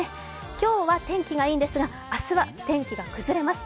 今日は天気がいいんですが明日は天気が崩れます。